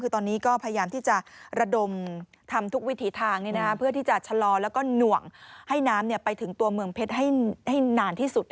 คือตอนนี้ก็พยายามที่จะระดมทำทุกวิถีทางเพื่อที่จะชะลอแล้วก็หน่วงให้น้ำไปถึงตัวเมืองเพชรให้นานที่สุด